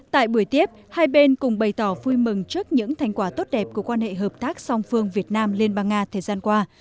tại buổi tiếp hai bên cùng bày tỏ vui mừng trước những thành quả tốt đẹp của quan hệ hợp tác song phương việt nam liên bang nga thời gian qua